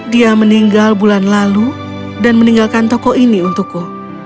dia meninggal bulan lalu dan meninggalkan toko ini untukku